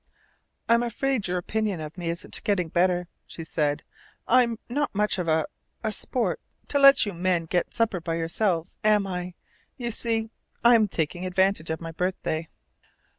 "I'm afraid your opinion of me isn't getting better," she said. "I'm not much of a a sport to let you men get supper by yourselves, am I? You see I'm taking advantage of my birthday."